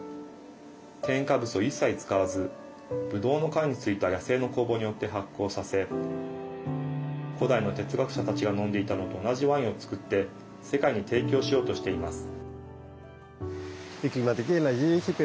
添加物を一切使わずブドウの皮についた野生の酵母によって発酵させ古代の哲学者たちが飲んでいたのと同じワインを造って世界に提供しようとしています。